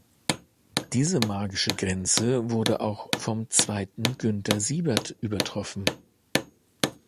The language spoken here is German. Diese magische Grenze wurde auch vom Zweiten Günter Siebert übertroffen.